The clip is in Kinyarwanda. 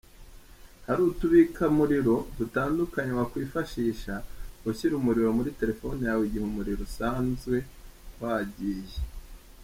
Hari utubika-muriro dutandukanye wakwifashisha ushyira umuriro muri telefone yawe igihe umuriro usanzwe wagiye.